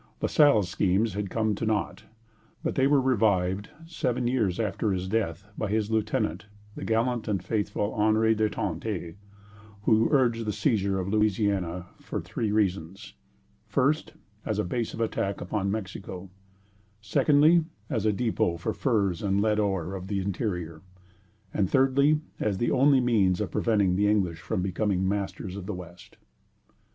La Salle's schemes had come to nought, but they were revived, seven years after his death, by his lieutenant, the gallant and faithful Henri de Tonty, who urged the seizure of Louisiana for three reasons, first, as a base of attack upon Mexico; secondly, as a dépôt for the furs and lead ore of the interior; and thirdly, as the only means of preventing the English from becoming masters of the West.